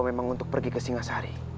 memang untuk pergi ke singasari